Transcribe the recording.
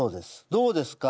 どうですか？